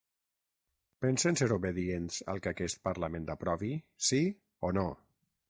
Pensen ser obedients al que aquest parlament aprovi, sí o no?